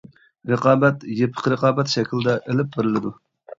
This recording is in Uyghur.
رىقابەت يېپىق رىقابەت شەكلىدە ئېلىپ بېرىلىدۇ.